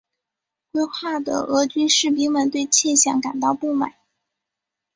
归化的俄军士兵们对欠饷感到不满。